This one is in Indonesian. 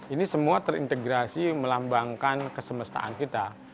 ini semua terintegrasi melambangkan kesemestaan kita